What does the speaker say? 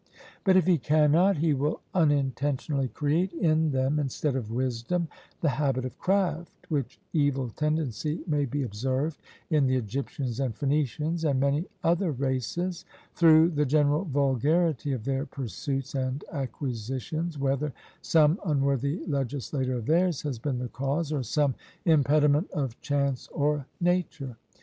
But if he cannot, he will unintentionally create in them, instead of wisdom, the habit of craft, which evil tendency may be observed in the Egyptians and Phoenicians, and many other races, through the general vulgarity of their pursuits and acquisitions, whether some unworthy legislator of theirs has been the cause, or some impediment of chance or nature.